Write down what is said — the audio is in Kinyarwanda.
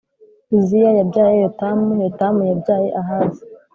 Uziya yabyaye Yotamu Yotamu yabyaye Ahazi